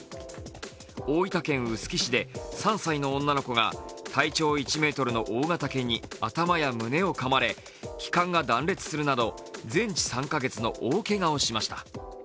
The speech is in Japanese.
大分県臼杵市で３歳の女の子が体長１ｍの大型犬に頭や胸をかまれ気管が断裂するなど全治３か月の大けがをしました。